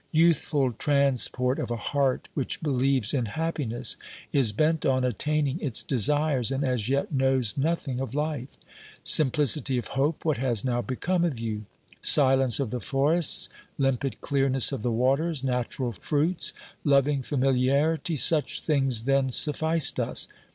Youthful transport of a heart which believes in happi ness, is bent on attaining its desires, and as yet knows nothing of life ! Simplicity of hope, what has now become of you ? Silence of the forests, limpid clearness of the waters, natural fruits, loving familiarity — such things then sufficed us.